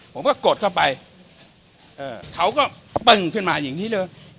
ผมก็กดเข้าไปเขาก็ปึ้งขึ้นมาอย่างนี้เลย